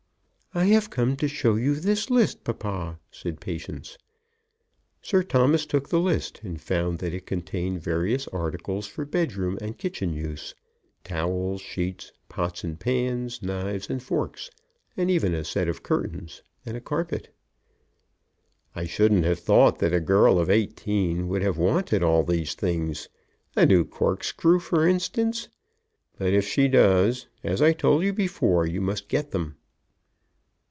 "I have come to show you this list, papa," said Patience. Sir Thomas took the list, and found that it contained various articles for bedroom and kitchen use, towels, sheets, pots and pans, knives and forks, and even a set of curtains and a carpet. "I shouldn't have thought that a girl of eighteen would have wanted all these things, a new corkscrew, for instance, but if she does, as I told you before, you must get them."